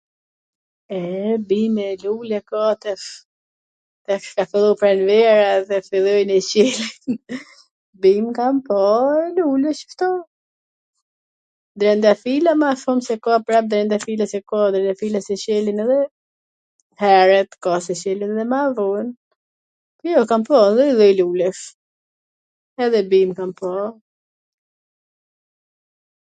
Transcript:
e, bim e lule ka tash, tash ka fillu pranvera, dhe fillojn e Celin, bim kam par, lule si kto, drandafila ma shum se ka prap. drandafila qw ka, drandafila qw Celin heret, ka qw Celin edhe ma von, jo, kam pa lloj lloj lulesh, edhe bim kam pa,